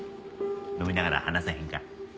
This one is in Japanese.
飲みながら話さへんか？